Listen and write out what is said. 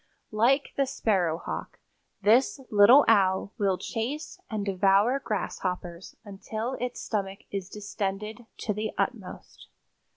Like the sparrowhawk, this little Owl will chase and devour grasshoppers until its stomach is distended to the utmost."